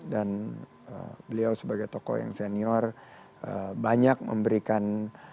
dan beliau sebagai tokoh yang senior banyak memberikan